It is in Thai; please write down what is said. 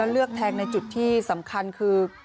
เลือกแทงในจุดที่สำคัญคือ